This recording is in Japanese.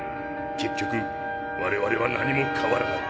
結局我々は何も変わらない。